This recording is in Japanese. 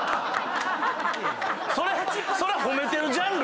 それ褒めてるジャンル？